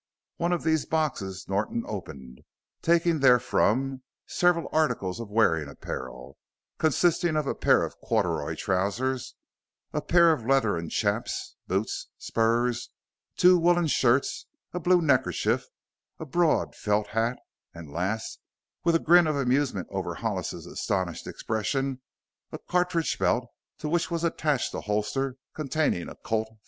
One of these boxes Norton opened, taking therefrom several articles of wearing apparel, consisting of a pair of corduroy trousers, a pair of leathern chaps, boots, spurs, two woolen shirts, a blue neckerchief, a broad felt hat, and last, with a grin of amusement over Hollis's astonished expression, a cartridge belt to which was attached a holster containing a Colt